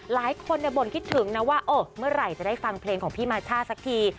หลายคนบ่นคิดถึงนะว่าเออเมื่อไหร่จะได้ฟังเพลงของพี่มาช่าสักที